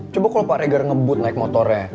coba kalau pak reger ngebut naik motornya